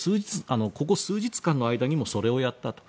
ここ数日の間にもそれをやったと。